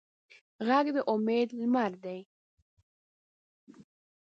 غږ د امید لمر دی